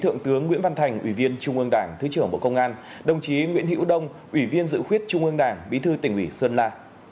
thượng tướng nguyễn văn thành ủy viên trung ương đảng thứ trưởng bộ công an đồng chí nguyễn hữu đông ủy viên dự khuyết trung ương đảng bí thư tỉnh ủy sơn la